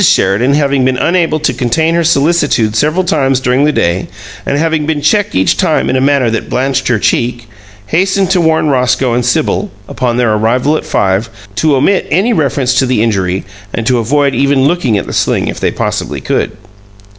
Sheridan, having been unable to contain her solicitude several times during the day, and having been checked each time in a manner that blanched her cheek, hastened to warn Roscoe and Sibyl, upon their arrival at five, to omit any reference to the injury and to avoid even looking at the sling if they possibly could.